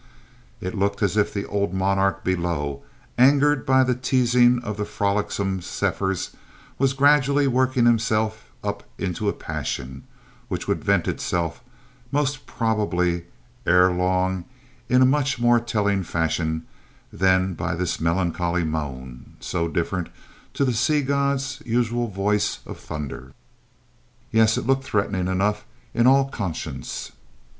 It looked as if the old monarch below, angered by the teasing of the frolicsome zephyrs, was gradually working himself up into a passion, which would vent itself, most probably, ere long in a much more telling fashion than by this melancholy moan, so different to the sea god's usual voice of thunder! Yes, it looked threatening enough in all conscience!